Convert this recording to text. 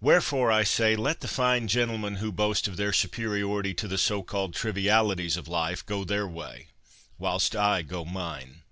Wherefore I say let the fine gentlemen who boast of their superiority to the so called trivialities of life go their way, whilst I go mine.